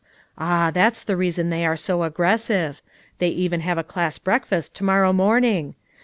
Ah, that's the reason they are so aggressive. They even have a class breakfast to morrow morning!